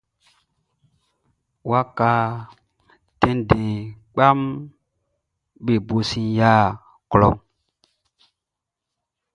Waka tɛnndɛn kpaʼm be bo sin yia klɔʼn.